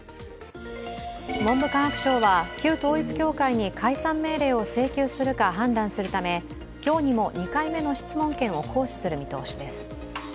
文部科学省は旧統一教会に解散命令を請求するか判断するため、今日にも２回目の質問権を行使する見通しです。